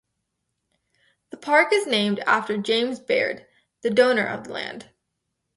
The park is named after James Baird, the donor of the land.